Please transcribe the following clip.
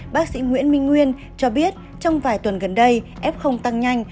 bác sĩ nguyễn minh nguyên cho biết trong vài tuần gần đây f tăng nhanh